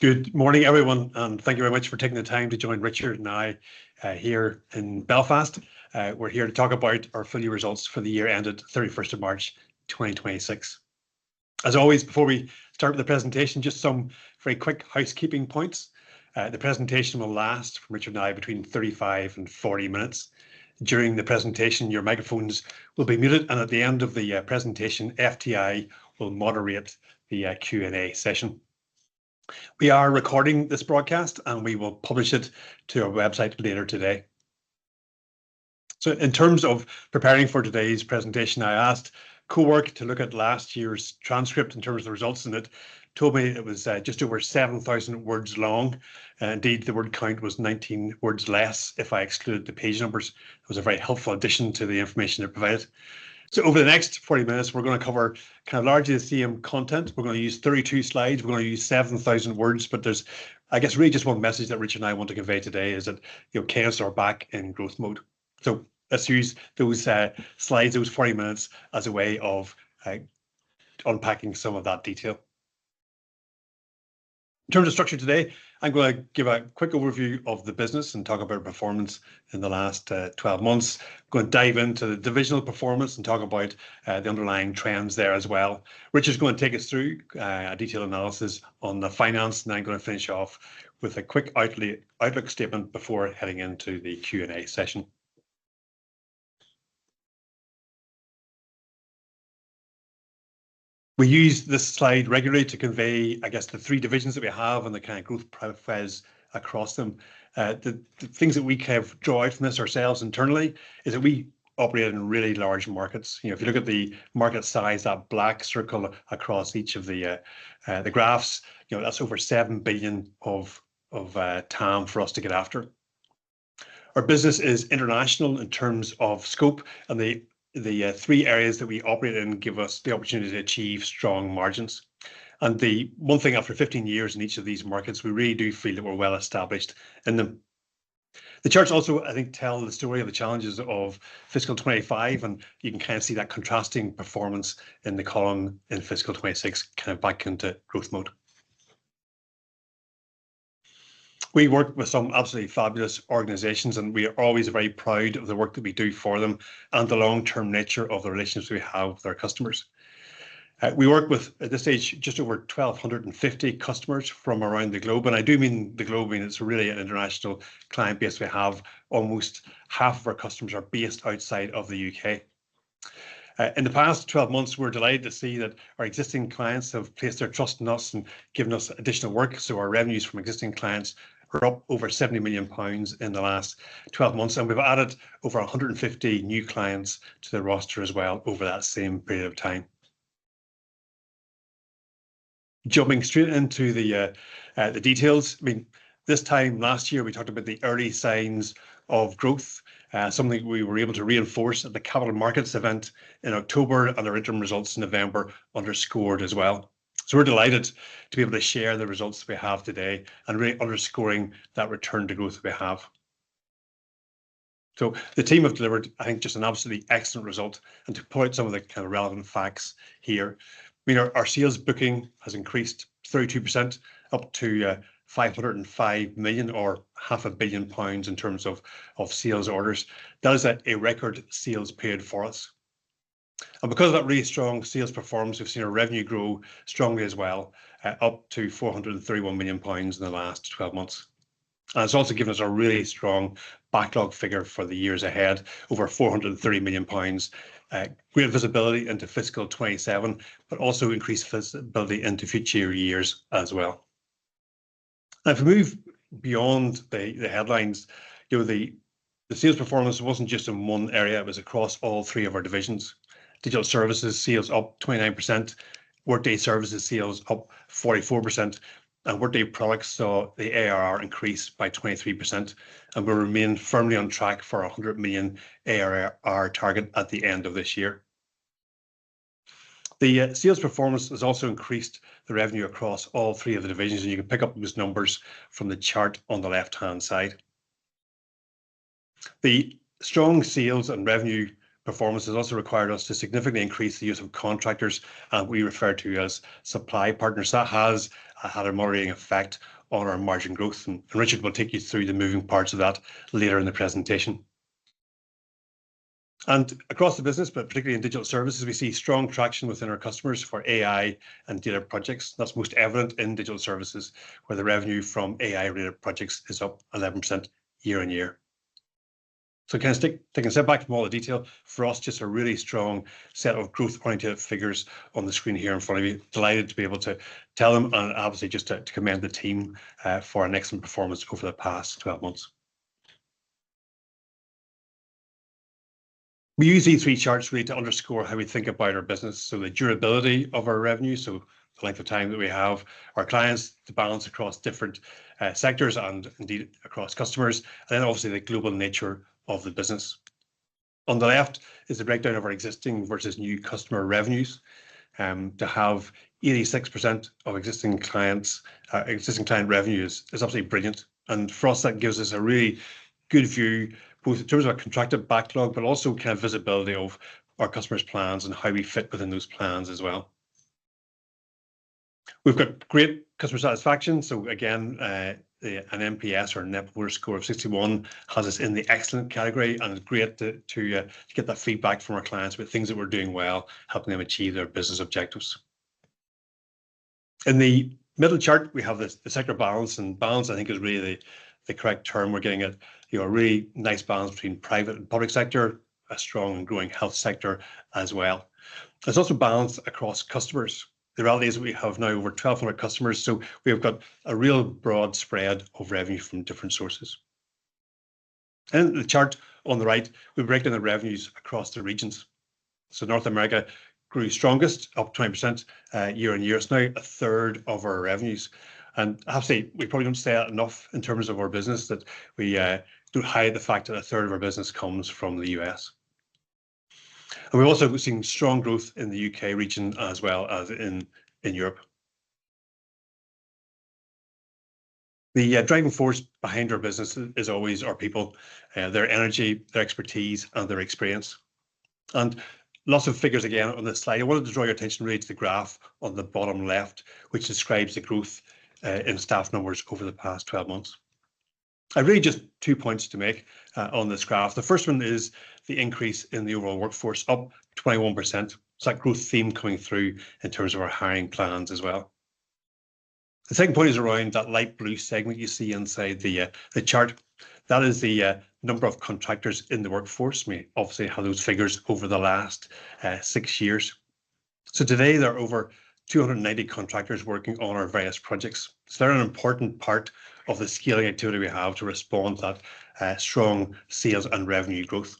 Good morning, everyone, and thank you very much for taking the time to join Richard and I, here in Belfast. We're here to talk about our full year results for the year ended 31st of March 2026. As always, before we start with the presentation, just some very quick housekeeping points. The presentation will last, for Richard and I, between 35 and 40 minutes. During the presentation, your microphones will be muted, and at the end of the presentation, FTI will moderate the Q&A session. We are recording this broadcast, and we will publish it to our website later today. In terms of preparing for today's presentation, I asked Cowork to look at last year's transcript in terms of the results, and it told me it was just over 7,000 words long. Indeed, the word count was 19 words less if I exclude the page numbers. It was a very helpful addition to the information they provided. Over the next 40 minutes, we're gonna cover kind of largely the same content. We're gonna use 32 slides. We're gonna use 7,000 words, there's, I guess, really just one message that Richard and I want to convey today is that, you know, Kainos are back in growth mode. Let's use those slides, those 40 minutes as a way of unpacking some of that detail. In terms of structure today, I'm gonna give a quick overview of the business and talk about performance in the last 12 months. Gonna dive into the divisional performance and talk about the underlying trends there as well, which is gonna take us through a detailed analysis on the finance. I'm gonna finish off with a quick outlook statement before heading into the Q&A session. We use this slide regularly to convey, I guess, the three divisions that we have and the kind of growth profiles across them. The things that we kind of draw out from this ourselves internally is that we operate in really large markets. You know, if you look at the market size, that black circle across each of the graphs, you know, that's over 7 billion of TAM for us to get after. Our business is international in terms of scope. The three areas that we operate in give us the opportunity to achieve strong margins. The one thing after 15 years in each of these markets, we really do feel that we're well-established in them. The charts also, I think, tell the story of the challenges of Fiscal 2025. You can kind of see that contrasting performance in the column in Fiscal 2026, kind of back into growth mode. We work with some absolutely fabulous organizations. We are always very proud of the work that we do for them and the long-term nature of the relationships we have with our customers. We work with, at this stage, just over 1,250 customers from around the globe, and I do mean the globe, meaning it's really an international client base we have. Almost half of our customers are based outside of the U.K. In the past 12 months, we're delighted to see that our existing clients have placed their trust in us and given us additional work, so our revenues from existing clients are up over 70 million pounds in the last 12 months. We've added over 150 new clients to the roster as well over that same period of time. Jumping straight into the details. I mean, this time last year we talked about the early signs of growth, something we were able to reinforce at the capital markets event in October, and our interim results in November underscored as well. We're delighted to be able to share the results we have today and really underscoring that return to growth we have. The team have delivered, I think, just an absolutely excellent result. To point some of the kind of relevant facts here, I mean, our sales booking has increased 32% up to 505 million or 500 million pounds in terms of sales orders. That is at a record sales period for us. Because of that really strong sales performance, we've seen our revenue grow strongly as well, up to 431 million pounds in the last 12 months. It's also given us a really strong backlog figure for the years ahead, over 430 million pounds. Great visibility into Fiscal 2027, but also increased visibility into future years as well. Now, if we move beyond the headlines, you know, the sales performance wasn't just in one area, it was across all three of our divisions. Digital Services sales up 29%. Workday Services sales up 44%. Workday Products saw the ARR increase by 23%. We remain firmly on track for our 100 million ARR target at the end of this year. The sales performance has also increased the revenue across all three of the divisions, and you can pick up those numbers from the chart on the left-hand side. The strong sales and revenue performance has also required us to significantly increase the use of contractors, we refer to as supply partners. That has had a moderating effect on our margin growth, and Richard will take you through the moving parts of that later in the presentation. Across the business, but particularly in Digital Services, we see strong traction within our customers for AI and data projects. That's most evident in Digital Services, where the revenue from AI-related projects is up 11% year-on-year. Kind of taking a step back from all the detail, for us, just a really strong set of growth-oriented figures on the screen here in front of you. Delighted to be able to tell them, and obviously just to commend the team for an excellent performance over the past 12 months. We use these 3 charts really to underscore how we think about our business. The durability of our revenue, the length of time that we have our clients to balance across different sectors and indeed across customers, and obviously the global nature of the business. On the left is the breakdown of our existing versus new customer revenues. To have 86% of existing clients, existing client revenues is absolutely brilliant. For us, that gives us a really good view both in terms of our contracted backlog, but also kind of visibility of our customers' plans and how we fit within those plans as well. We've got great customer satisfaction. Again, an NPS or Net Promoter Score of 61 has us in the excellent category, and it's great to get that feedback from our clients about things that we're doing well, helping them achieve their business objectives. In the middle chart, we have the sector balance, I think is really the correct term. We're getting, you know, a really nice balance between private and public sector, a strong growing health sector as well. There's also balance across customers. The reality is we have now over 1,200 customers, so we have got a real broad spread of revenue from different sources. In the chart on the right, we break down the revenues across the regions. North America grew strongest, up 20% year-over-year. It's now a third of our revenues. I have to say, we probably don't say it enough in terms of our business that we don't hide the fact that 1/3 of our business comes from the U.S. We're also seeing strong growth in the U.K. region as well as in Europe. The driving force behind our business is always our people, their energy, their expertise and their experience. Lots of figures again on this slide. I wanted to draw your attention really to the graph on the bottom left, which describes the growth in staff numbers over the past 12 months. I really just two points to make on this graph. The first one is the increase in the overall workforce, up 21%. That growth theme coming through in terms of our hiring plans as well. The second point is around that light blue segment you see inside the chart. That is the number of contractors in the workforce. We obviously have those figures over the last six years. Today there are over 280 contractors working on our various projects. They're an important part of the scaling activity we have to respond to that strong sales and revenue growth.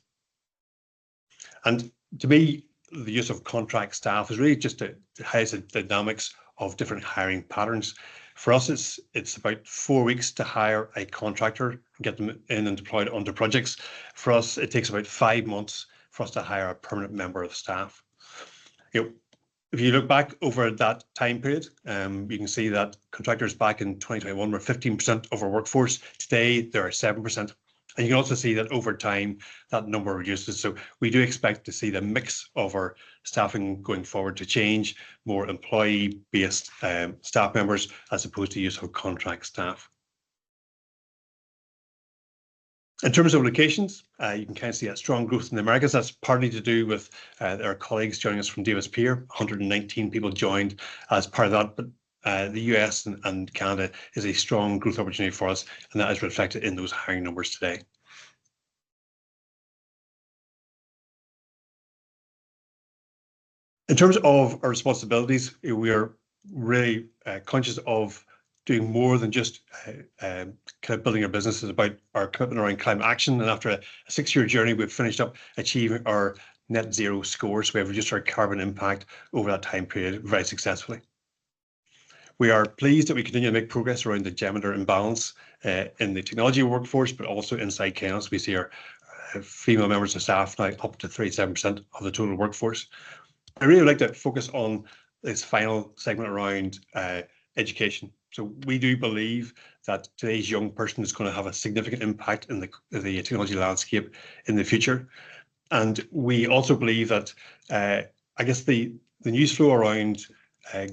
To me, the use of contract staff is really just, it hides the dynamics of different hiring patterns. For us, it's about four weeks to hire a contractor, get them in and deployed onto projects. For us, it takes about five months for us to hire a permanent member of staff. You know, if you look back over that time period, you can see that contractors back in 2021 were 15% of our workforce. Today they are 7%. You can also see that over time that number reduces. We do expect to see the mix of our staffing going forward to change, more employee-based, staff members as opposed to use of contract staff. In terms of locations, you can kind of see a strong growth in the Americas. That's partly to do with, our colleagues joining us from Davis Pier. 119 people joined as part of that. The U.S. and Canada is a strong growth opportunity for us, and that is reflected in those hiring numbers today. In terms of our responsibilities, we are really conscious of doing more than just building our businesses about our commitment around climate action. After a six-year journey, we've finished up achieving our net-zero score. We have reduced our carbon impact over that time period very successfully. We are pleased that we continue to make progress around the gender imbalance in the technology workforce, but also inside Kainos. We see our female members of staff now up to 37% of the total workforce. I'd really like to focus on this final segment around education. We do believe that today's young person is gonna have a significant impact in the technology landscape in the future. We also believe that, I guess the news flow around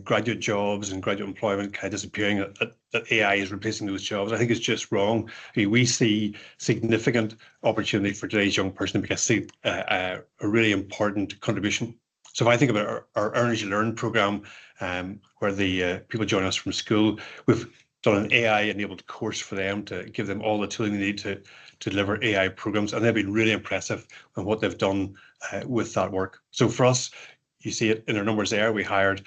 graduate jobs and graduate employment kind of disappearing, that AI is replacing those jobs, I think is just wrong. We see significant opportunity for today's young person, and we can see a really important contribution. If I think about our Earn as You Learn program, where the people join us from school, we've done an AI-enabled course for them to give them all the tooling they need to deliver AI programs, and they've been really impressive with what they've done with that work. For us, you see it in our numbers there. We hired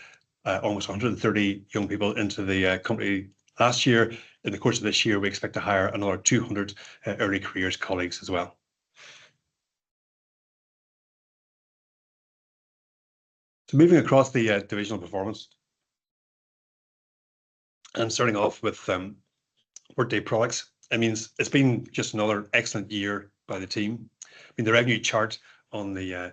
almost 130 young people into the company last year. In the course of this year, we expect to hire another 200 early careers colleagues as well. Moving across the divisional performance. Starting off with Workday Products. I mean, it's been just another excellent year by the team. I mean, the revenue chart on the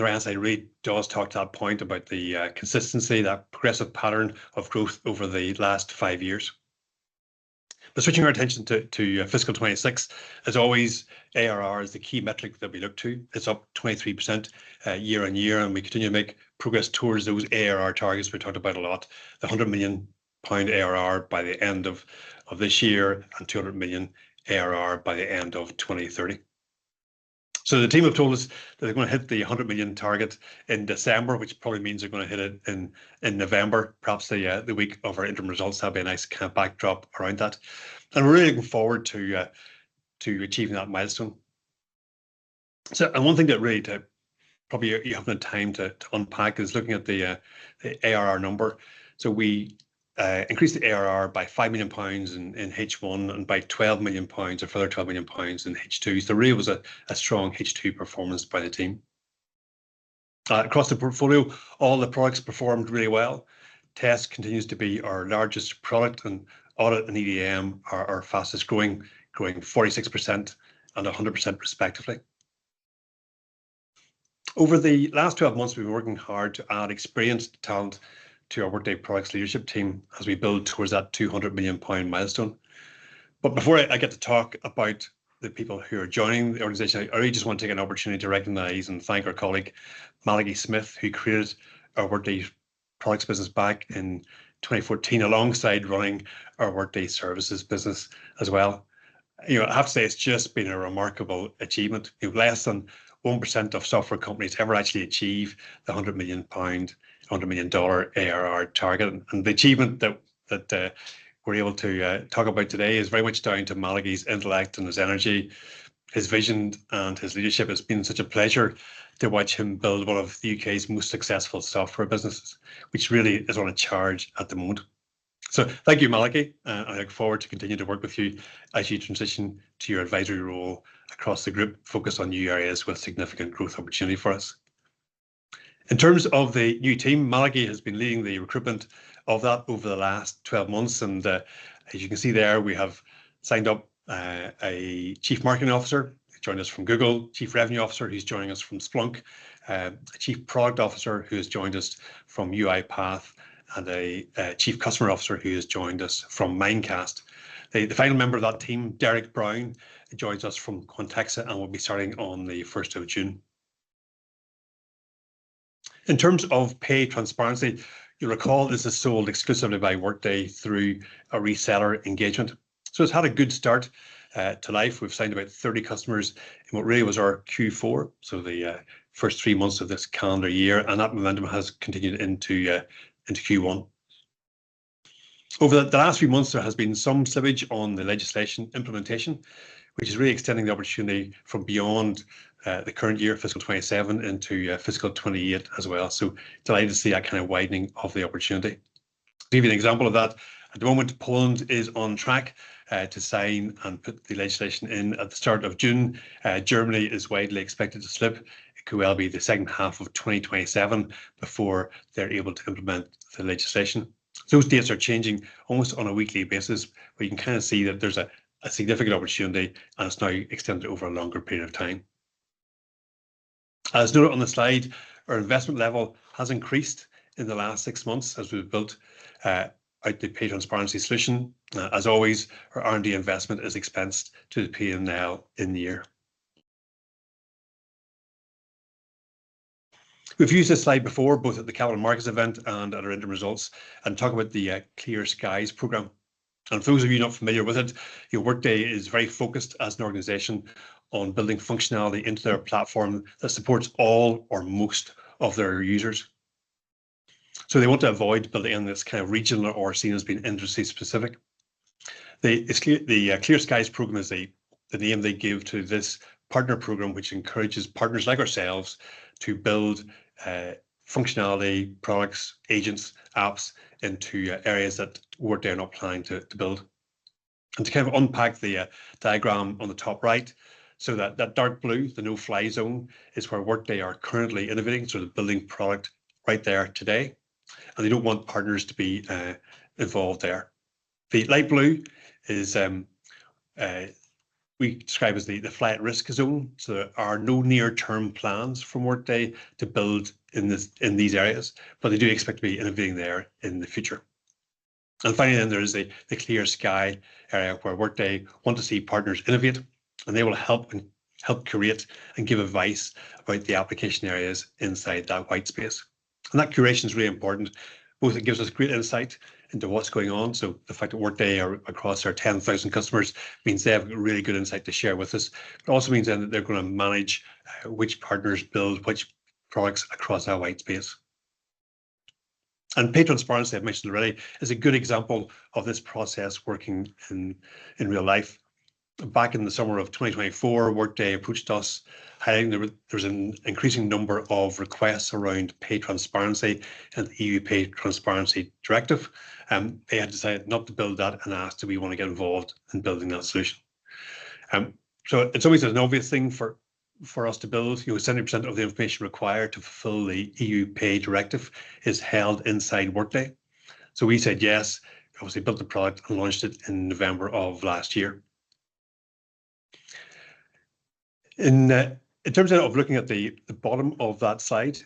right-hand side really does talk to that point about the consistency, that progressive pattern of growth over the last five years. Switching our attention to fiscal 2026, as always, ARR is the key metric that we look to. It's up 23% year-on-year, and we continue to make progress towards those ARR targets we talked about a lot, the 100 million pound ARR by the end of this year and 200 million ARR by the end of 2030. The team have told us that they're going to hit the 100 million target in December, which probably means they're going to hit it in November, perhaps the week of our interim results. That'll be a nice kind of backdrop around that. We're really looking forward to achieving that milestone. One thing to really to, probably you have the time to unpack is looking at the ARR number. We increased the ARR by 5 million pounds in H1 and by 12 million pounds or further 12 million pounds in H2. Really was a strong H2 performance by the team. Across the portfolio, all the products performed really well. Smart Test continues to be our largest product, and Smart Audit and EDM are our fastest growing 46% and 100% respectively. Over the last 12 months, we've been working hard to add experienced talent to our Workday Products leadership team as we build towards that 200 million pound milestone. Before I get to talk about the people who are joining the organization, I really just want to take an opportunity to recognize and thank our colleague Malachy Smith, who created our Workday Products business back in 2014, alongside running our Workday Services business as well. You know, I have to say, it's just been a remarkable achievement. You know, less than 1% of software companies ever actually achieve the 100 million pound, $100 million ARR target. The achievement that we're able to talk about today is very much down to Malachy's intellect and his energy, his vision, and his leadership. It's been such a pleasure to watch him build one of the U.K.'s most successful software businesses, which really is on a charge at the moment. Thank you, Malachy, I look forward to continuing to work with you as you transition to your advisory role across the group, focused on new areas with significant growth opportunity for us. In terms of the new team, Malachy has been leading the recruitment of that over the last 12 months. As you can see there, we have signed up a Chief Marketing Officer, who joined us from Google, a Chief Revenue Officer who is joining us from Splunk, a Chief Product Officer who has joined us from UiPath, and a chief customer officer who has joined us from Mimecast. The final member of that team, Derek Brown, joins us from Quantexa and will be starting on the 1st of June. In terms of Pay Transparency, you will recall this is sold exclusively by Workday through a reseller engagement. It has had a good start to life. We have signed about 30 customers in what really was our Q4, so the first three months of this calendar year, and that momentum has continued into Q1. Over the last few months, there has been some slippage on the legislation implementation, which is really extending the opportunity from beyond the current year, fiscal 2027, into fiscal 2028 as well. Delighted to see that kind of widening of the opportunity. To give you an example of that, at the moment, Poland is on track to sign and put the legislation in at the start of June. Germany is widely expected to slip. It could well be the second half of 2027 before they're able to implement the legislation. Those dates are changing almost on a weekly basis, but you can kind of see that there's a significant opportunity, and it's now extended over a longer period of time. As noted on the slide, our investment level has increased in the last six months as we've built out the Pay Transparency solution. As always, our R&D investment is expensed to the P&L in the year. We've used this slide before, both at the Capital Markets event and at our interim results, and talk about the Clear Skies Program. For those of you not familiar with it, you know, Workday is very focused as an organization on building functionality into their platform that supports all or most of their users. They want to avoid building in this kind of regional or seen as being industry-specific. The Clear Skies Program is the name they give to this partner program which encourages partners like ourselves to build functionality, products, agents, apps into areas that Workday are not planning to build. To kind of unpack the diagram on the top right. That, that dark blue, the no-fly zone, is where Workday are currently innovating, so they're building product right there today, and they don't want partners to be involved there. The light blue is, we describe as the flight risk zone. There are no near-term plans from Workday to build in this, in these areas, but they do expect to be innovating there in the future. Finally there is the Clear Skies area where Workday want to see partners innovate, and they will help and help curate and give advice about the application areas inside that white space. That curation is really important. It gives us great insight into what's going on. The fact that Workday are across our 10,000 customers means they have really good insight to share with us. It also means that they're gonna manage which partners build which products across our white space. Pay Transparency, I've mentioned already, is a good example of this process working in real life. Back in the summer of 2024, Workday approached us highlighting there was an increasing number of requests around Pay Transparency and the EU Pay Transparency Directive. They had decided not to build that and asked do we wanna get involved in building that solution. It's always an obvious thing for us to build. You know, 70% of the information required to fulfill the EU Pay Directive is held inside Workday. We said yes, obviously built the product, and launched it in November of last year. In terms now of looking at the bottom of that slide,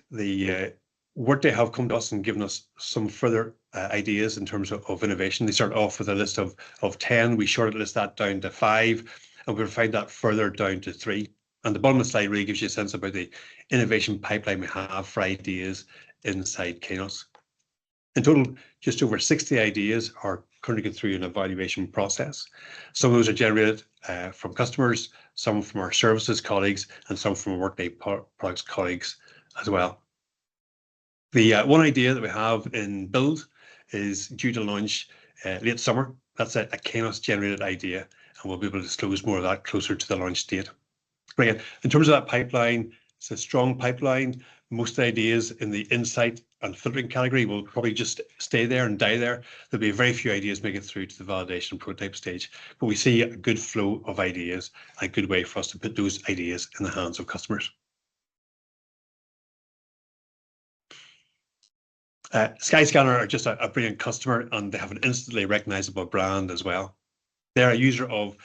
Workday have come to us and given us some further ideas in terms of innovation. They started off with a list of 10. We shortlisted that down to five, and we refined that further down to three. The bottom of the slide really gives you a sense about the innovation pipeline we have for ideas inside Kainos. In total, just over 60 ideas are currently going through an evaluation process. Some of those are generated from customers, some from our services colleagues, and some from Workday Products colleagues as well. The one idea that we have in build is due to launch late summer. That's a Kainos-generated idea. We'll be able to disclose more of that closer to the launch date. Yeah, in terms of that pipeline, it's a strong pipeline. Most ideas in the insight and filtering category will probably just stay there and die there. There'll be very few ideas make it through to the validation and prototype stage. We see a good flow of ideas, a good way for us to put those ideas in the hands of customers. Skyscanner are just a brilliant customer, and they have an instantly recognizable brand as well. They're a user of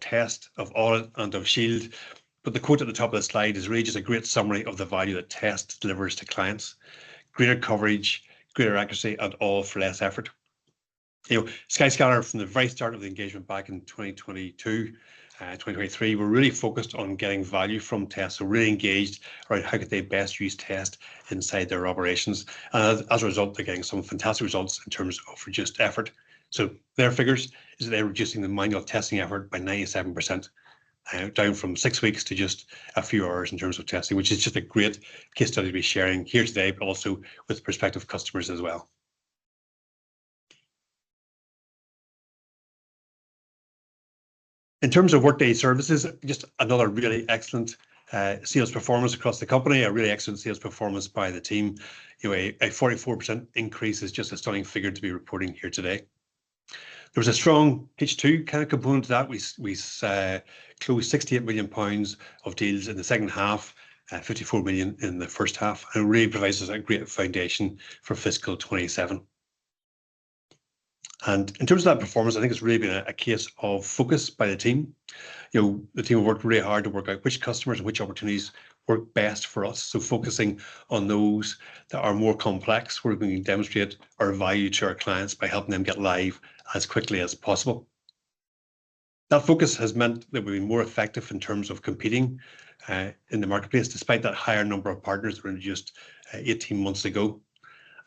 Test, of Audit, and of Shield. The quote at the top of the slide is really just a great summary of the value that Test delivers to clients. Greater coverage, greater accuracy, all for less effort. You know, Skyscanner from the very start of the engagement back in 2022, 2023, were really focused on getting value from tests. Really engaged around how could they best use test inside their operations. As a result, they're getting some fantastic results in terms of reduced effort. Their figures is that they're reducing the manual testing effort by 97%, down from six weeks to just a few hours in terms of testing, which is just a great case study to be sharing here today, but also with prospective customers as well. In terms of Workday Services, just another really excellent sales performance across the company, a really excellent sales performance by the team. You know, a 44% increase is just a stunning figure to be reporting here today. There was a strong H2 kind of component to that. We closed 68 million pounds of deals in the second half, 54 million in the first half, and really provides us a great foundation for Fiscal 2027. In terms of that performance, I think it's really been a case of focus by the team. You know, the team worked really hard to work out which customers and which opportunities work best for us. Focusing on those that are more complex, where we can demonstrate our value to our clients by helping them get live as quickly as possible. That focus has meant that we've been more effective in terms of competing in the marketplace, despite that higher number of partners were introduced 18 months ago.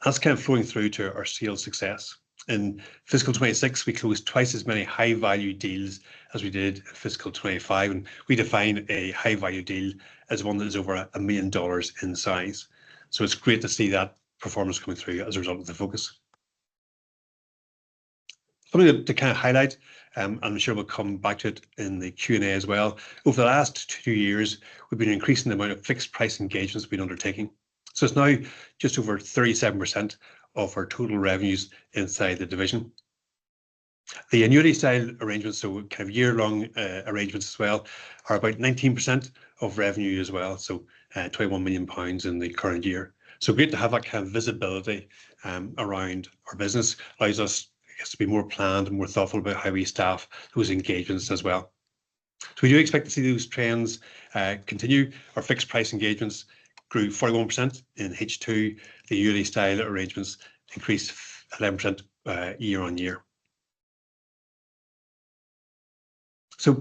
That's kind of flowing through to our sales success. In fiscal 2026, we closed twice as many high-value deals as we did in Fiscal 2025. We define a high-value deal as one that is over GBP 1 million in size. It's great to see that performance coming through as a result of the focus. Something to kind of highlight, I'm sure we'll come back to it in the Q&A as well. Over the last two years, we've been increasing the amount of fixed price engagements we've been undertaking. It's now just over 37% of our total revenues inside the division. The annuity-style arrangements, so we have year-long arrangements as well, are about 19% of revenue as well, so 21 million pounds in the current year. Great to have that kind of visibility around our business. Allows us, I guess, to be more planned and more thoughtful about how we staff those engagements as well. We do expect to see those trends continue. Our fixed price engagements grew 41% in H2. The yearly style arrangements increased 11% year-on-year.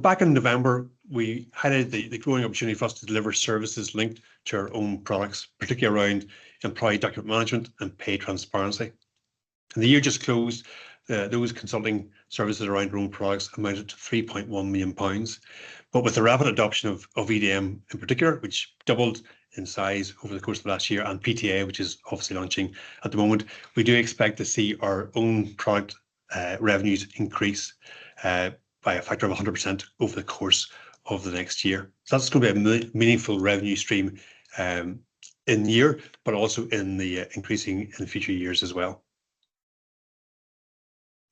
Back in November, we highlighted the growing opportunity for us to deliver services linked to our own products, particularly around Employee Document Management and Pay Transparency. In the year just closed, those consulting services around our own products amounted to 3.1 million pounds. With the rapid adoption of EDM in particular, which doubled in size over the course of last year, and PTA, which is obviously launching at the moment, we do expect to see our own product revenues increase by a factor of 100% over the course of the next year. That's going to be a meaningful revenue stream in the year, but also increasing in the future years as well.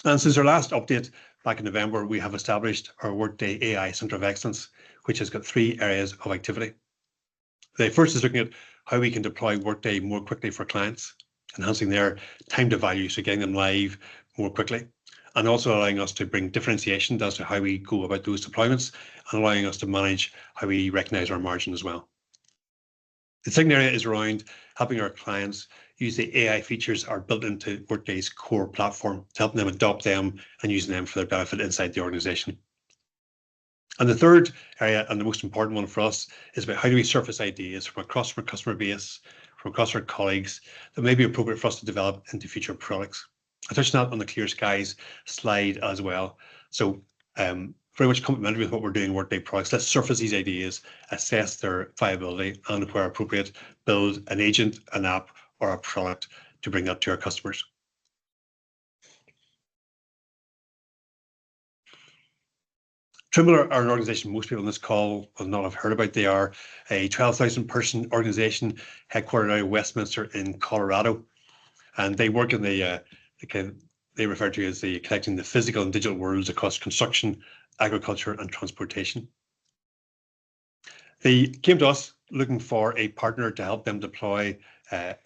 Since our last update back in November, we have established our Workday AI Centre of Excellence, which has got three areas of activity. The first is looking at how we can deploy Workday more quickly for clients, enhancing their time to value, so getting them live more quickly. Also allowing us to bring differentiation as to how we go about those deployments and allowing us to manage how we recognize our margin as well. The second area is around helping our clients use the AI features are built into Workday's core platform, to helping them adopt them and using them for their benefit inside the organization. The third area, and the most important one for us, is about how do we surface ideas from across our customer base, from across our colleagues, that may be appropriate for us to develop into future products. I touched on that on the Clear Skies slide as well. Very much complementary with what we're doing in Workday Products. Let's surface these ideas, assess their viability, and where appropriate, build an agent, an app or a product to bring that to our customers. Trimble are an organization most people on this call will not have heard about. They are a 12,000-person organization headquartered out of Westminster in Colorado, and they work in the again, they refer to as the connecting the physical and digital worlds across construction, agriculture, and transportation. They came to us looking for a partner to help them deploy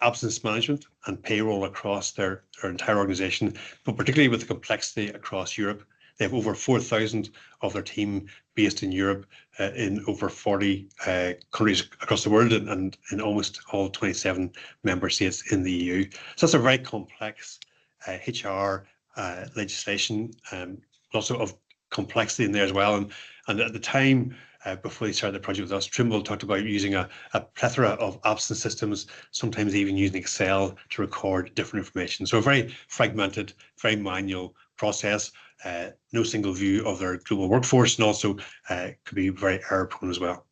Absence Management and payroll across their entire organization, but particularly with the complexity across Europe. They have over 4,000 of their team based in Europe, in over 40 countries across the world and in almost all 27 member states in the EU. That's a very complex HR legislation, lots of complexity in there as well. At the time, before they started the project with us, Trimble talked about using a plethora of absence systems, sometimes even using Excel to record different information. A very fragmented, very manual process. No single view of their global workforce, and also, could be very error-prone as well.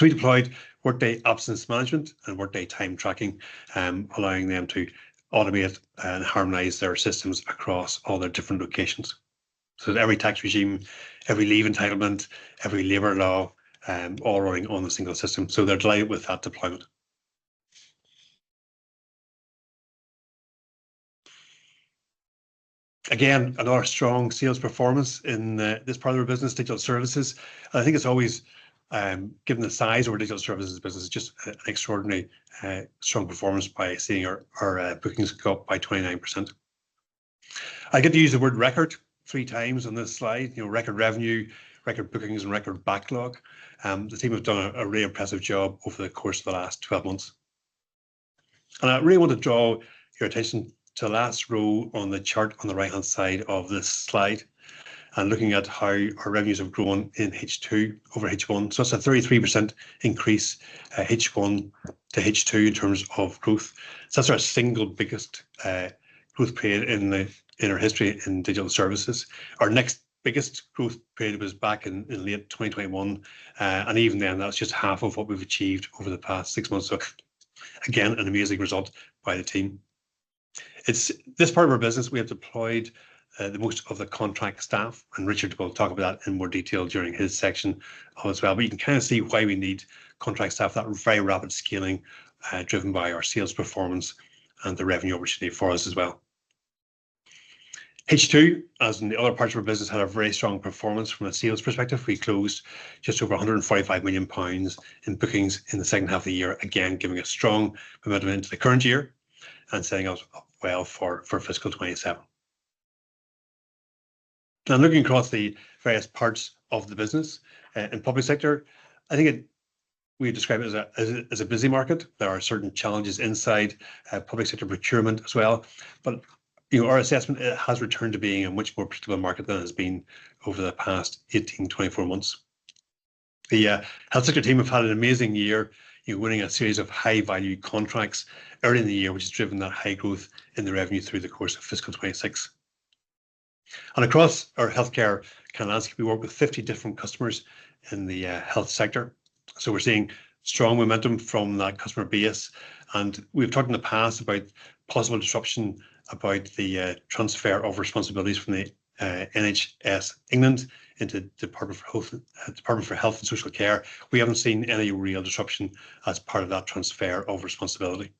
We deployed Workday Absence Management and Workday Time Tracking, allowing them to automate and harmonize their systems across all their different locations. Every tax regime, every leave entitlement, every labor law, all running on the single system. They're live with that deployment. Again, another strong sales performance in this part of our business, Digital Services. I think it's always, given the size of our Digital Services business, it's just an extraordinary strong performance by seeing our bookings go up by 29%. I get to use the word record 3x on this slide. Record revenue, record bookings and record backlog. The team have done a really impressive job over the course of the last 12 months. I really want to draw your attention to the last row on the chart on the right-hand side of this slide and looking at how our revenues have grown in H2 over H1. That's a 33% increase, H1 to H2 in terms of growth. That's our single biggest growth period in our history in Digital Services. Our next biggest growth period was back in late 2021. Even then, that's just half of what we've achieved over the past six months. Again, an amazing result by the team. It's this part of our business we have deployed the most of the contract staff, and Richard will talk about that in more detail during his section as well. You can kind of see why we need contract staff, that very rapid scaling, driven by our sales performance and the revenue opportunity for us as well. H2, as in the other parts of our business, had a very strong performance from a sales perspective. We closed just over 145 million pounds in bookings in the second half of the year, again, giving a strong momentum into the current year and setting us up well for Fiscal 2027. Looking across the various parts of the business, in public sector, I think we describe it as a busy market. There are certain challenges inside public sector procurement as well. You know, our assessment, it has returned to being a much more predictable market than it has been over the past 18, 24 months. The health sector team have had an amazing year. You're winning a series of high-value contracts early in the year, which has driven that high growth in the revenue through the course of fiscal 2026. Across our healthcare landscape, we work with 50 different customers in the health sector, so we're seeing strong momentum from that customer base. We've talked in the past about possible disruption about the transfer of responsibilities from the NHS England into Department of Health and Social Care. We haven't seen any real disruption as part of that transfer of responsibility.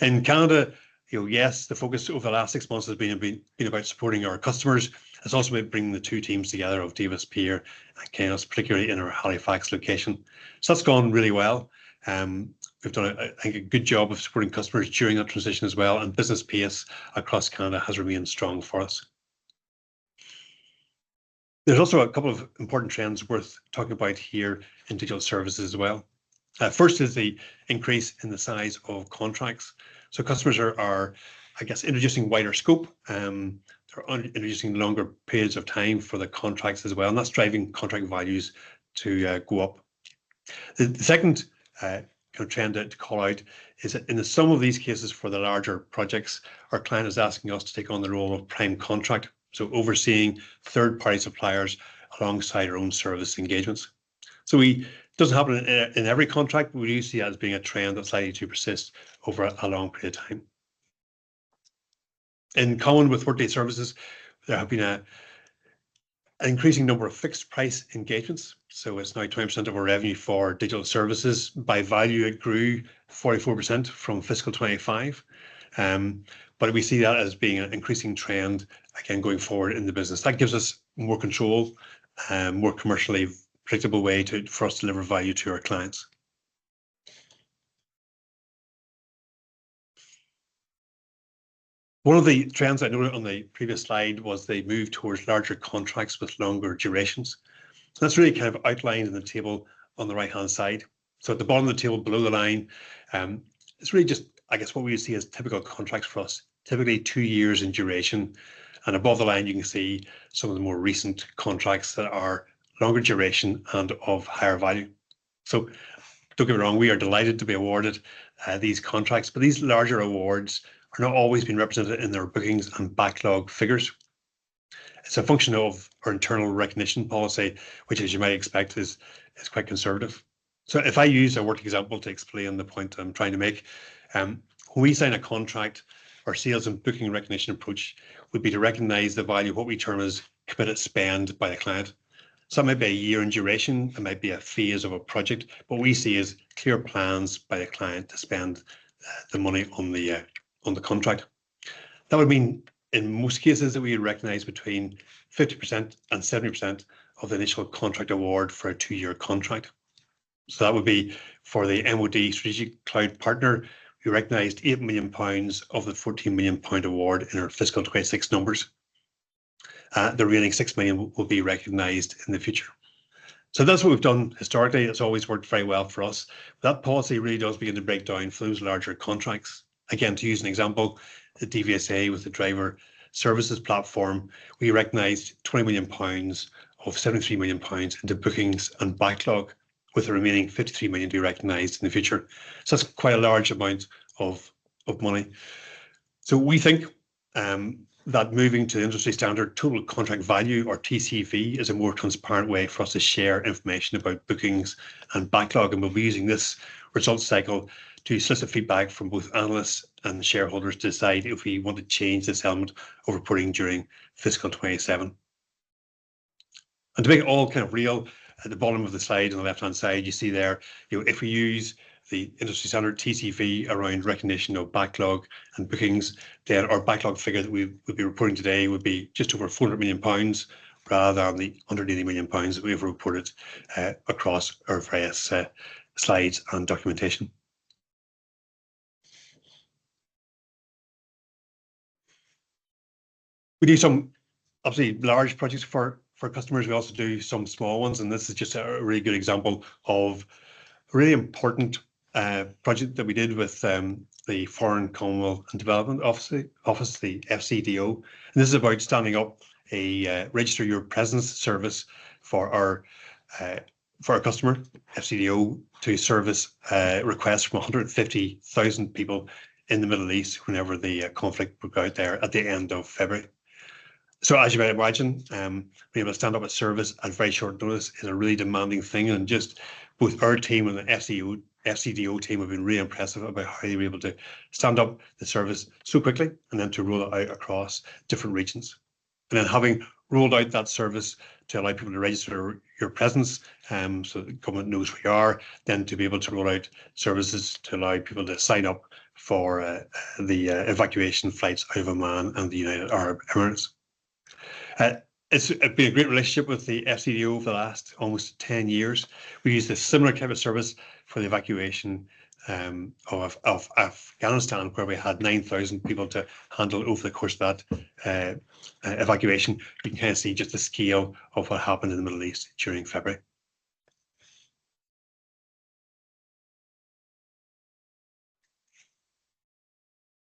In Canada, you know, yes, the focus over the last six months has been about supporting our customers. It's also about bringing the two teams together of Davis Pier and Kainos, particularly in our Halifax location. That's gone really well. We've done a, I think, a good job of supporting customers during that transition as well, and business pace across Canada has remained strong for us. There's also a couple of important trends worth talking about here in Digital Services as well. First is the increase in the size of contracts. Customers are, I guess, introducing wider scope. They're introducing longer periods of time for the contracts as well, and that's driving contract values to go up. The second kind of trend to call out is that in the sum of these cases for the larger projects, our client is asking us to take on the role of prime contract, so overseeing third-party suppliers alongside our own service engagements. It doesn't happen in every contract. We really see it as being a trend that's likely to persist over a long period of time. In common with Workday Services, there have been an increasing number of fixed-price engagements, so it's now 20% of our revenue for Digital Services. By value, it grew 44% from Fiscal 2025. We see that as being an increasing trend again, going forward in the business. That gives us more control, more commercially predictable way for us to deliver value to our clients. One of the trends I noted on the previous slide was the move towards larger contracts with longer durations. That's really outlined in the table on the right-hand side. At the bottom of the table below the line, it's really just what we see as typical contracts for us. Typically two years in duration. Above the line, you can see some of the more recent contracts that are longer duration and of higher value. Don't get me wrong, we are delighted to be awarded these contracts. These larger awards are not always being represented in their bookings and backlog figures. It's a function of our internal recognition policy, which as you might expect is quite conservative. If I use a working example to explain the point I'm trying to make, when we sign a contract, our sales and booking recognition approach would be to recognize the value of what we term as committed spend by a client. That might be a year in duration. It might be a phase of a project. What we see is clear plans by a client to spend the money on the contract. That would mean, in most cases, that we recognize between 50% and 70% of the initial contract award for a two-year contract. That would be for the MOD strategic cloud partner. We recognized 8 million pounds of the 14 million pound award in our Fiscal 2026 numbers. The remaining 6 million will be recognized in the future. That's what we've done historically. It's always worked very well for us. That policy really does begin to break down for those larger contracts. To use an example, the DVSA with the Driver Services Platform. We recognized 20 million pounds of 73 million pounds into bookings and backlog, with the remaining 53 million to be recognized in the future. That's quite a large amount of money. We think that moving to the industry standard Total Contract Value or TCV is a more transparent way for us to share information about bookings and backlog. We'll be using this results cycle to solicit feedback from both analysts and shareholders to decide if we want to change this element of reporting during Fiscal 2027. To make it all kind of real, at the bottom of the slide on the left-hand side, you see there, you know, if we use the industry standard TCV around recognition of backlog and bookings, then our backlog figure that we would be reporting today would be just over 400 million pounds rather than the under 80 million pounds that we have reported across our various slides and documentation. We do some obviously large projects for customers. We also do some small ones, this is just a really good example of a really important project that we did with the Foreign, Commonwealth & Development Office, the FCDO. This is about standing up a Register your presence service for our for our customer, FCDO, to service requests from 150,000 people in the Middle East whenever the conflict broke out there at the end of February. As you might imagine, being able to stand up a service at very short notice is a really demanding thing and just both our team and the FCDO team have been really impressive about how they were able to stand up the service so quickly and then to roll it out across different regions. Having rolled out that service to allow people to Register your presence, so the government knows where you are, then to be able to roll out services to allow people to sign up for the evacuation flights out of Oman and the United Arab Emirates. It's been a great relationship with the FCDO over the last almost 10 years. We used a similar kind of service for the evacuation of Afghanistan, where we had 9,000 people to handle over the course of that evacuation. You can kind of see just the scale of what happened in the Middle East during February.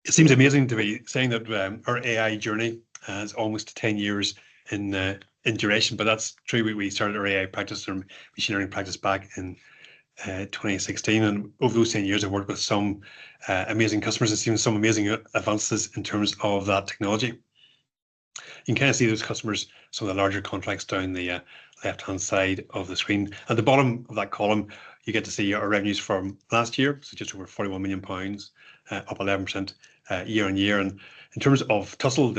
It seems amazing to me saying that our AI journey is almost 10 years in duration, but that's true. We started our AI practice and machine learning practice back in 2016. Over those 10 years have worked with some amazing customers and seen some amazing advances in terms of that technology. You can kind of see those customers, some of the larger contracts down the left-hand side of the screen. At the bottom of that column, you get to see our revenues from last year, so just over 41 million pounds, up 11% year-over-year. In terms of Tussell,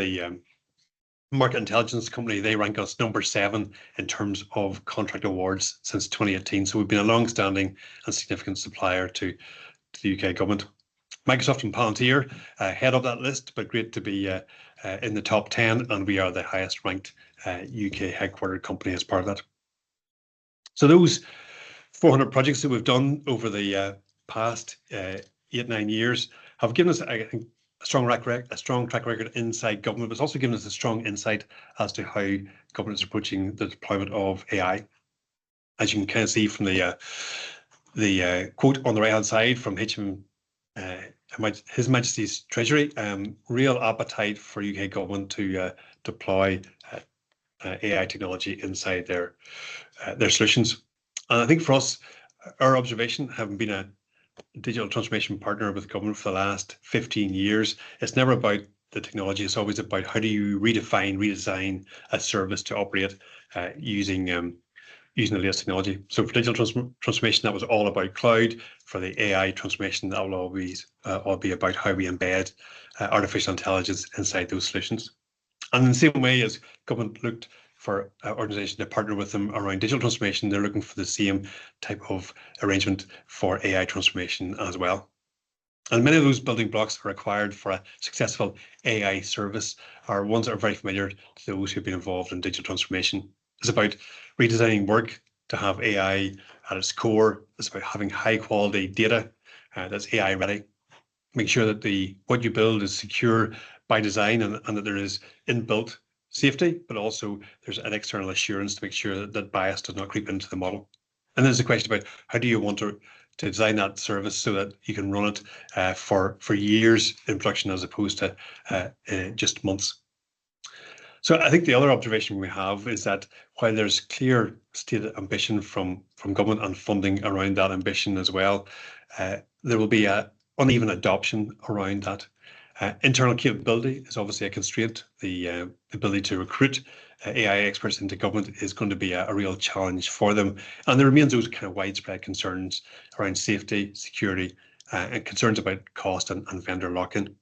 the market intelligence company, they rank us number seven in terms of contract awards since 2018. We've been a long-standing and significant supplier to the U.K. government. Microsoft and Palantir head up that list, but great to be in the top 10, and we are the highest ranked U.K. headquartered company as part of that. Those 400 projects that we've done over the past 8, 9 years have given us a strong track record inside government, but it's also given us a strong insight as to how governments are approaching the deployment of AI. As you can kind of see from the quote on the right-hand side from HM His Majesty's Treasury, real appetite for U.K. government to deploy AI technology inside their solutions. I think for us, our observation, having been a digital transformation partner with the government for the last 15 years, it's never about the technology. It's always about how do you redefine, redesign a service to operate, using the latest technology. For digital transformation, that was all about cloud. For the AI transformation, that will always all be about how we embed artificial intelligence inside those solutions. In the same way as government looked for organizations to partner with them around digital transformation, they're looking for the same type of arrangement for AI transformation as well. Many of those building blocks required for a successful AI service are ones that are very familiar to those who've been involved in digital transformation. It's about redesigning work to have AI at its core. It's about having high-quality data that's AI-ready. Make sure that the what you build is secure by design and that there is inbuilt safety, but also there's an external assurance to make sure that bias does not creep into the model. Then there's the question about how do you want to design that service so that you can run it for years in production as opposed to just months. I think the other observation we have is that while there's clear stated ambition from government and funding around that ambition as well, there will be a uneven adoption around that. Internal capability is obviously a constraint. The ability to recruit AI experts into government is going to be a real challenge for them. There remains those kind of widespread concerns around safety, security, and concerns about cost and vendor lock-in.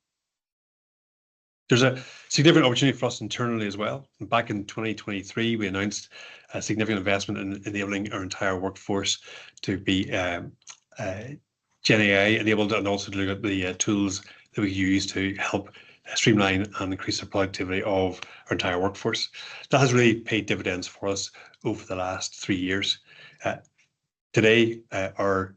There's a significant opportunity for us internally as well. Back in 2023, we announced a significant investment in enabling our entire workforce to be GenAI enabled and also look at the tools that we could use to help streamline and increase the productivity of our entire workforce. That has really paid dividends for us over the last three years. Today, our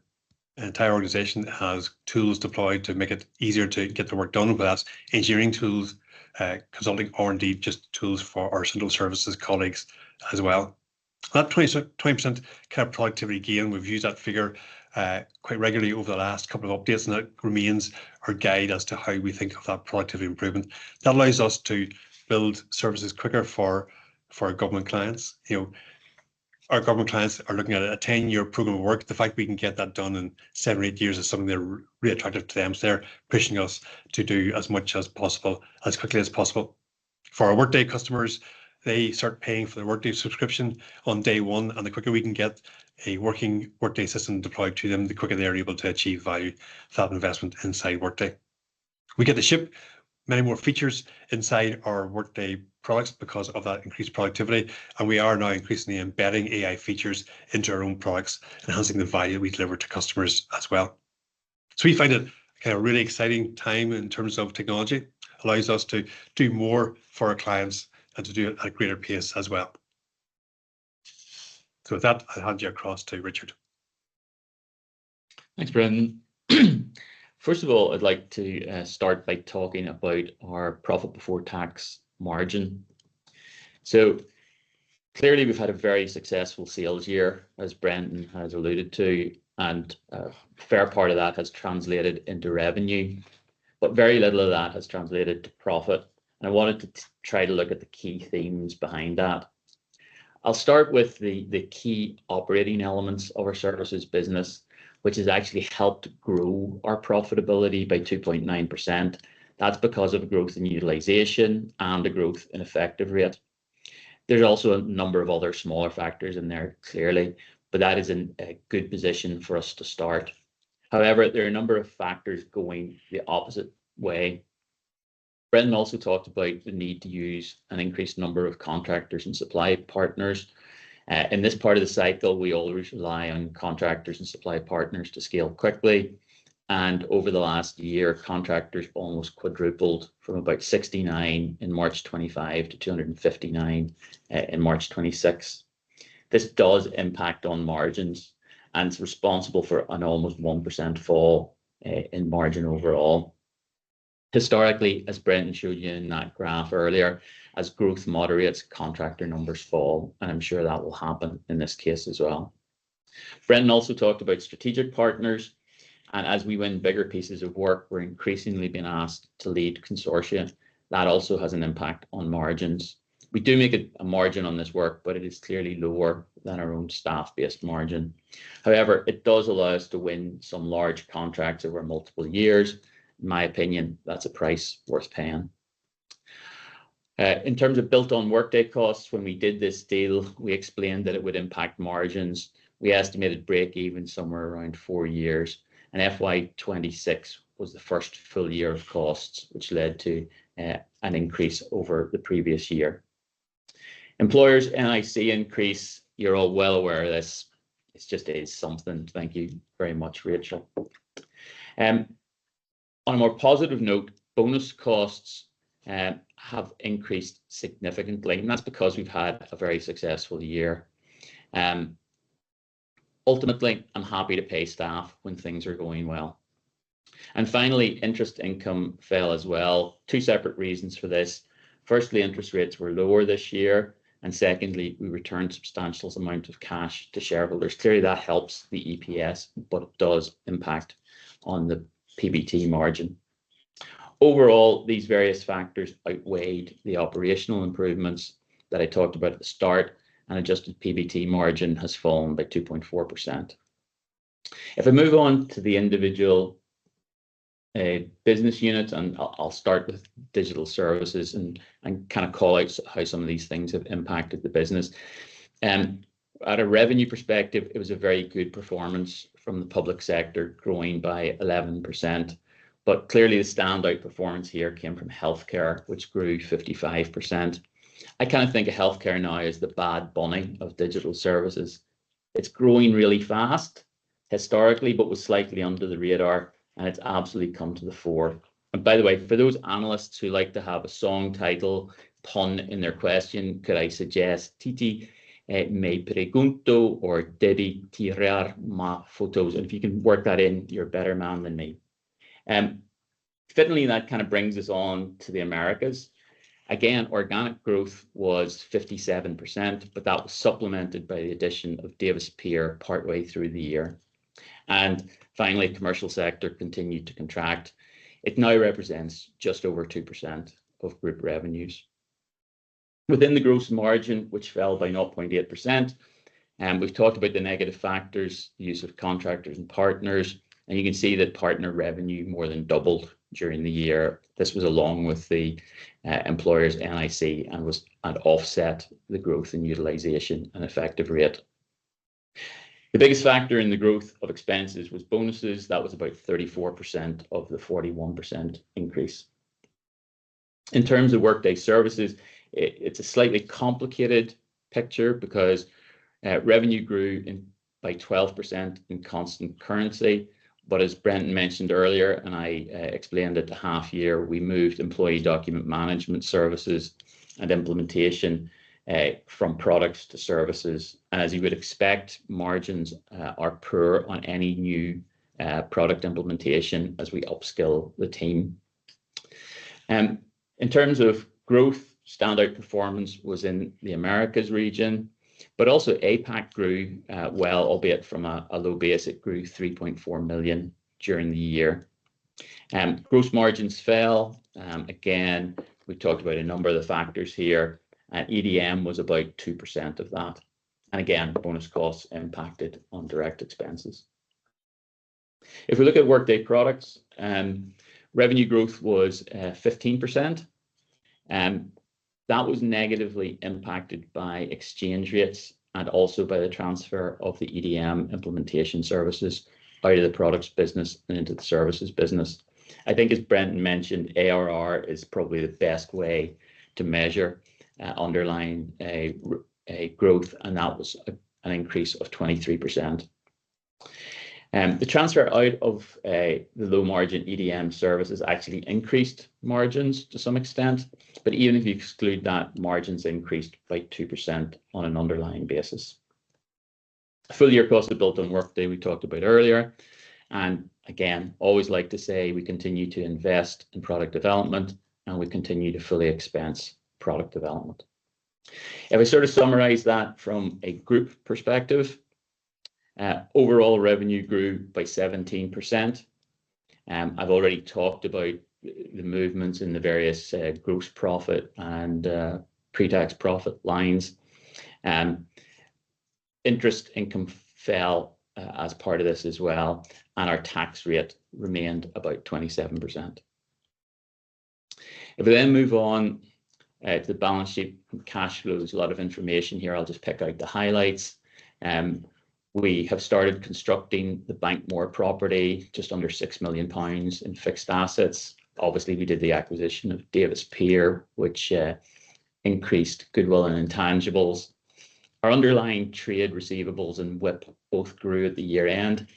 entire organization has tools deployed to make it easier to get the work done. That's engineering tools, consulting, R&D, just tools for our central services colleagues as well. That 20% kind of productivity gain, we've used that figure quite regularly over the last couple of updates, and it remains our guide as to how we think of that productivity improvement. That allows us to build services quicker for our government clients. You know, our government clients are looking at a 10-year program of work. The fact we can get that done in seven or eight years is something that's really attractive to them. They're pushing us to do as much as possible as quickly as possible. For our Workday customers, they start paying for their Workday subscription on day one. The quicker we can get a working Workday system deployed to them, the quicker they're able to achieve value for that investment inside Workday. We get to ship many more features inside our Workday Products because of that increased productivity, and we are now increasingly embedding AI features into our own products, enhancing the value we deliver to customers as well. We find it kind of a really exciting time in terms of technology. Allows us to do more for our clients and to do it at a greater pace as well. With that, I'll hand you across to Richard. Thanks, Brendan. First of all, I'd like to start by talking about our profit before tax margin. Clearly we've had a very successful sales year, as Brendan has alluded to, and a fair part of that has translated into revenue, but very little of that has translated to profit, and I wanted to try to look at the key themes behind that. I'll start with the key operating elements of our services business, which has actually helped grow our profitability by 2.9%. That's because of growth in utilization and the growth in effective rate. There's also a number of other smaller factors in there clearly, but that is in a good position for us to start. However, there are a number of factors going the opposite way. Brendan also talked about the need to use an increased number of contractors and supply partners. In this part of the cycle, we always rely on contractors and supply partners to scale quickly, and over the last year, contractors almost quadrupled from about 69 in March 2025 to 259 in March 2026. This does impact on margins, and it's responsible for an almost 1% fall in margin overall. Historically, as Brendan showed you in that graph earlier, as growth moderates, contractor numbers fall, and I'm sure that will happen in this case as well. Brendan also talked about strategic partners, and as we win bigger pieces of work, we're increasingly being asked to lead consortia. That also has an impact on margins. We do make a margin on this work, but it is clearly lower than our own staff-based margin. However, it does allow us to win some large contracts over multiple years. In my opinion, that's a price worth paying. In terms of Built on Workday costs, when we did this deal, we explained that it would impact margins. We estimated break-even somewhere around four years, and FY 2026 was the first full year of costs, which led to an increase over the previous year. Employers NIC increase, you're all well aware of this. It just is something. Thank you very much, Rachel. On a more positive note, bonus costs have increased significantly, and that's because we've had a very successful year. Ultimately, I'm happy to pay staff when things are going well. Finally, interest income fell as well. Two separate reasons for this. Firstly, interest rates were lower this year, and secondly, we returned substantial amount of cash to shareholders. Clearly, that helps the EPS, but it does impact on the PBT margin. Overall, these various factors outweighed the operational improvements that I talked about at the start. Adjusted PBT margin has fallen by 2.4%. I move on to the individual business units. I'll start with Digital Services and kind of call out how some of these things have impacted the business. At a revenue perspective, it was a very good performance from the public sector, growing by 11%. Clearly the standout performance here came from healthcare, which grew 55%. I kind of think of healthcare now as the Bad Bunny of Digital Services. It's growing really fast historically, but was slightly under the radar, and it's absolutely come to the fore. By the way, for those analysts who like to have a song title pun in their question, could I suggest Tití Me Preguntó or Debí Tirar Más Fotos? If you can work that in, you're a better man than me. Fittingly, that kind of brings us on to the Americas. Organic growth was 57%, but that was supplemented by the addition of Davis Pier partway through the year. Finally, commercial sector continued to contract. It now represents just over 2% of group revenues. Within the gross margin, which fell by 0.8%, we've talked about the negative factors, the use of contractors and partners, and you can see that partner revenue more than doubled during the year. This was along with the employers NIC and was an offset the growth in utilization and effective rate. The biggest factor in the growth of expenses was bonuses. That was about 34% of the 41% increase. In terms of Workday Services, it's a slightly complicated picture because revenue grew in, by 12% in constant currency. As Brendan mentioned earlier, and I explained at the half year, we moved Employee Document Management services and implementation from products to services. As you would expect, margins are poor on any new product implementation as we upskill the team. In terms of growth, standout performance was in the Americas region, but also APAC grew well, albeit from a low base. It grew 3.4 million during the year. Gross margins fell. Again, we talked about a number of the factors here. EDM was about 2% of that. Again, bonus costs impacted on direct expenses. If we look at Workday Products, revenue growth was 15%, that was negatively impacted by exchange rates and also by the transfer of the EDM implementation services out of the products business and into the services business. I think as Brendan mentioned, ARR is probably the best way to measure underlying growth, and that was an increase of 23%. The transfer out of the low margin EDM services actually increased margins to some extent. Even if you exclude that, margins increased by 2% on an underlying basis. Full year cost of Built on Workday we talked about earlier. Again, always like to say we continue to invest in product development, and we continue to fully expense product development. If we sort of summarize that from a group perspective, overall revenue grew by 17%. I've already talked about the movements in the various gross profit and pre-tax profit lines. Interest income fell as part of this as well, and our tax rate remained about 27%. If we move on to the balance sheet and cash flows, a lot of information here. I'll just pick out the highlights. We have started constructing the Bankmore property just under 6 million pounds in fixed assets. Obviously, we did the acquisition of Davis Pier, which increased goodwill and intangibles. Our underlying trade receivables and WIP both grew at the year-end.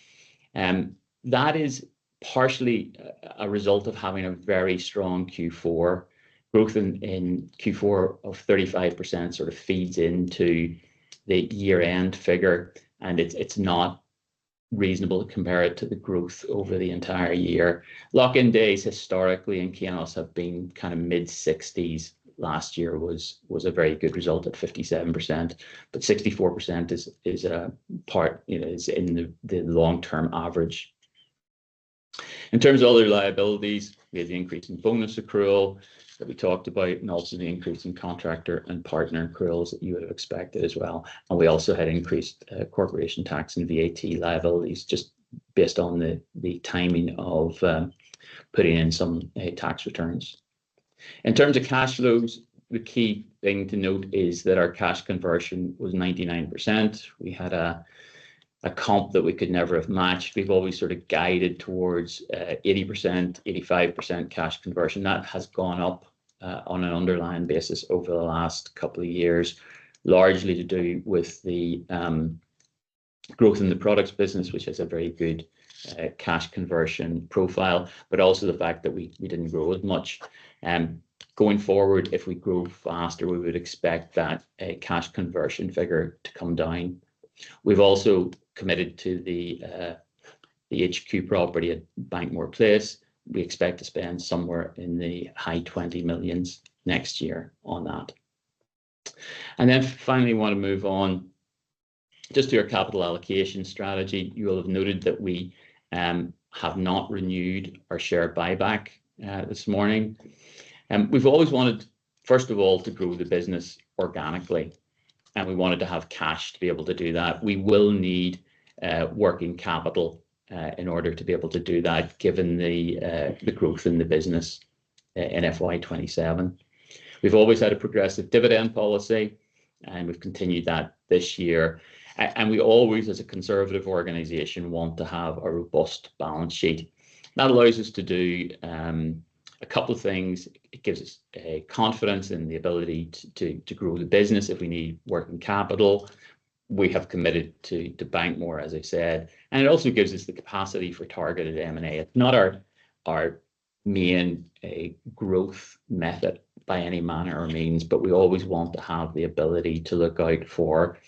That is partially a result of having a very strong Q4. Growth in Q4 of 35% sort of feeds into the year-end figure, and it's not reasonable to compare it to the growth over the entire year. Lock-in days historically in Kainos have been kind of mid 60s. Last year was a very good result at 57%. 64% is a part, you know, is in the long-term average. In terms of other liabilities, we have the increase in bonus accrual that we talked about and also the increase in contractor and partner accruals that you would have expected as well. We also had increased corporation tax and VAT liabilities just based on the timing of putting in some tax returns. In terms of cash flows, the key thing to note is that our cash conversion was 99%. We had a comp that we could never have matched. We've always sort of guided towards 80%, 85% cash conversion. That has gone up on an underlying basis over the last couple of years, largely to do with the growth in the Workday Products business, which has a very good cash conversion profile, but also the fact that we didn't grow as much. Going forward, if we grow faster, we would expect that cash conversion figure to come down. We've also committed to the HQ property at Bankmore Place. We expect to spend somewhere in the high 20 millions next year on that. Finally wanna move on just to our capital allocation strategy. You will have noted that we have not renewed our share buyback this morning. We've always wanted, first of all, to grow the business organically, and we wanted to have cash to be able to do that. We will need working capital in order to be able to do that, given the growth in the business in FY 2027. We've always had a progressive dividend policy, and we've continued that this year. We always, as a conservative organization, want to have a robust balance sheet. That allows us to do a couple of things. It gives us confidence in the ability to grow the business if we need working capital. We have committed to Bankmore, as I said, and it also gives us the capacity for targeted M&A. It's not our main growth method by any manner or means, but we always want to have the ability to look out for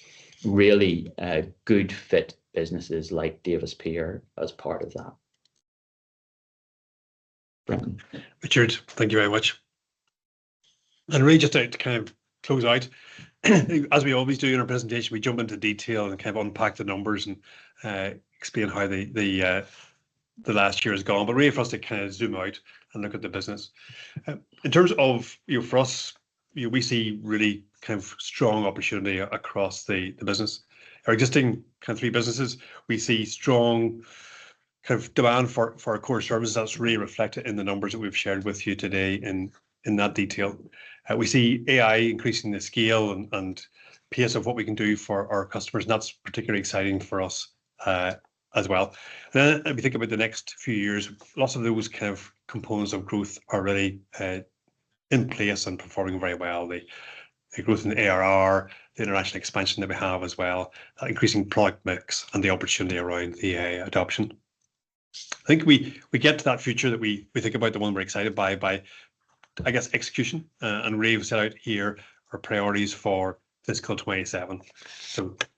really good fit businesses like Davis Pier as part of that. Brendan? Richard, thank you very much. Really just to close out, as we always do in our presentation, we jump into detail and unpack the numbers and explain how the last year has gone. Really for us to zoom out and look at the business. In terms of, you know, for us, you know, we see really strong opportunity across the business. Our existing three businesses, we see strong demand for our core services. That's really reflected in the numbers that we've shared with you today in that detail. We see AI increasing the scale and pace of what we can do for our customers, and that's particularly exciting for us as well. If you think about the next few years, lots of those kind of components of growth are really in place and performing very well. The growth in ARR, the international expansion that we have as well, increasing product mix and the opportunity around the AI adoption. I think we get to that future that we think about, the one we're excited by, I guess, execution. Really we've set out here our priorities for Fiscal 2027.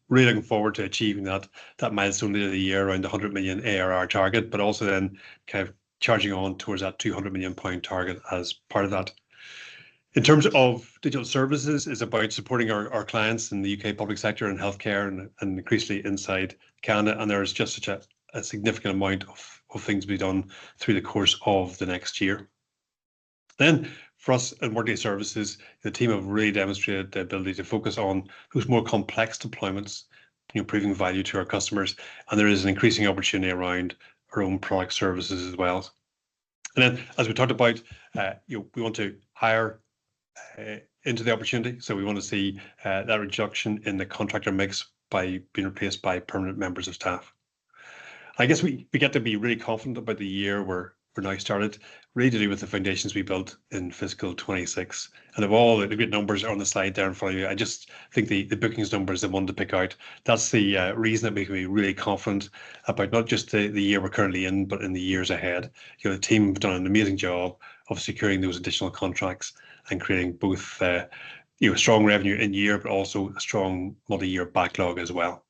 Really looking forward to achieving that milestone later in the year around the 100 million ARR target, but also then kind of charging on towards that 200 million pound point target as part of that. In terms of Digital Services, it's about supporting our clients in the U.K. public sector and healthcare and increasingly inside Canada. There is just such a significant amount of things to be done through the course of the next year. For us at Workday Services, the team have really demonstrated the ability to focus on those more complex deployments, you know, proving value to our customers. There is an increasing opportunity around our own product services as well. As we talked about, you know, we want to hire into the opportunity. We want to see that reduction in the contractor mix by being replaced by permanent members of staff. I guess we get to be really confident about the year we're now started really to do with the foundations we built in Fiscal 2026. Of all the good numbers are on the slide there in front of you, I just think the bookings number is the one to pick out. That's the reason that we can be really confident about not just the year we're currently in, but in the years ahead. You know, the team have done an amazing job of securing those additional contracts and creating both, you know, strong revenue in year, but also a strong multi-year backlog as well.